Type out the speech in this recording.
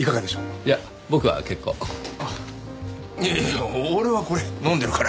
いやいや俺はこれ飲んでるから。